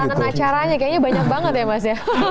tangan acaranya kayaknya banyak banget ya mas